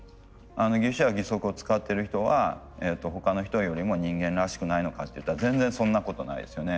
義手や義足を使っている人は他の人よりも人間らしくないのかっていったら全然そんなことないですよね。